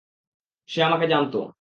সে আমাকে জানত।